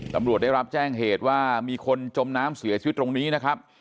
ตำรวจได้รับแจ้งเหตุว่ามีคนจมน้ำเสียชีวิตตรงนี้นะครับ